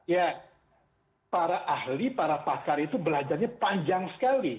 ya para ahli para pakar itu belajarnya panjang sekali